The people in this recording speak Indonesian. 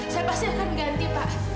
saya pasti akan ganti pak